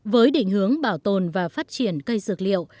với định hướng bảo tồn và phát triển cây dược liệu